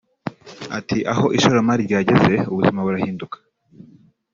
Ati “Aho ishoramari ryageze ubuzima burahinduka